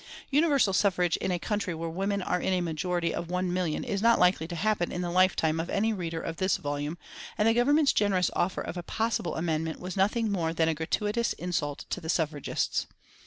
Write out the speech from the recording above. Universal suffrage in a country where women are in a majority of one million is not likely to happen in the lifetime of any reader of this volume, and the Government's generous offer of a possible amendment was nothing more than a gratuitous insult to the suffragists.